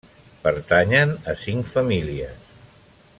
Pertanyen a cinc famílies.